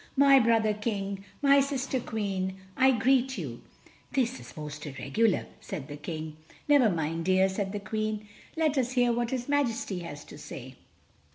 My brother King, my sister Queen, I greet you." "This is most irregular," said the King. "Never mind, dear," said the Queen, "let us hear what his Majesty has to say."